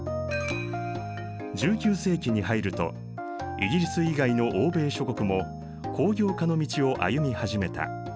１９世紀に入るとイギリス以外の欧米諸国も工業化の道を歩み始めた。